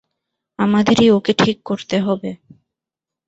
আমাদেরই ওকে ঠিক করতে হবে।